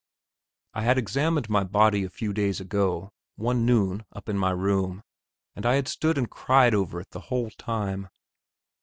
I had examined my body a few days ago, one noon up in my room, and I had stood and cried over it the whole time.